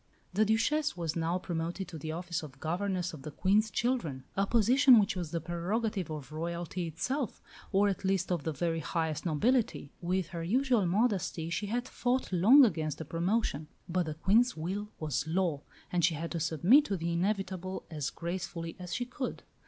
The Duchesse was now promoted to the office of governess of the Queen's children, a position which was the prerogative of Royalty itself, or, at least, of the very highest nobility. With her usual modesty, she had fought long against the promotion; but the Queen's will was law, and she had to submit to the inevitable as gracefully as she could.